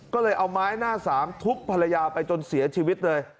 ก็เลยเอาไม้หน้าสามทุบภรรยาไปจนเสียชีวิตเลย